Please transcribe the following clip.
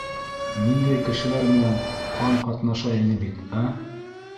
Ниндәй кешеләр менән ҡан ҡатнаша ине бит, ә?!